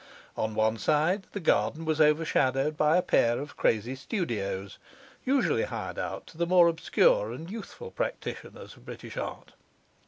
On one side the garden was overshadowed by a pair of crazy studios, usually hired out to the more obscure and youthful practitioners of British art.